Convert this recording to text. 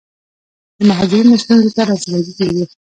د مهاجرینو ستونزو ته رسیدګي کیږي.